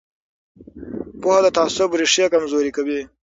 پوهه د تعصب ریښې کمزورې کوي